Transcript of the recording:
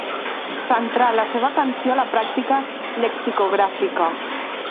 Centrà la seva atenció a la pràctica lexicogràfica.